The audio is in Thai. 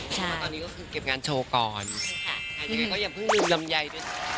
ตอนนี้ก็คือเก็บงานโชว์ก่อนอย่าเพิ่งลืมลำไยไฮด้วยค่ะ